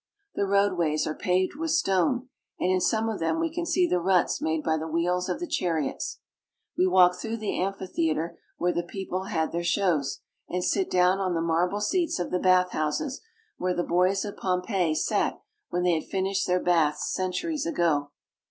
The roadways are paved with stone, and in some of them we can see the ruts made by the wheels of the chariots. We walk through the amphitheater where the people had their shows, and sit down on the marble seats of the bath houses where the boys of Pompeii sat when they had finished their baths centuries ago.